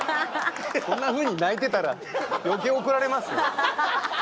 こんなふうに泣いてたら余計怒られますよ。